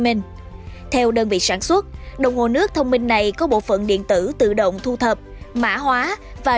minh theo đơn vị sản xuất đồng hồ nước thông minh này có bộ phận điện tử tự động thu thập mã hóa và